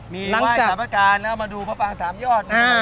มีอยำรักษกาลแล้วมาดูพระปาแสามยอด